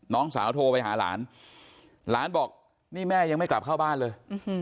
น้องสาวโทรไปหาหลานหลานบอกนี่แม่ยังไม่กลับเข้าบ้านเลย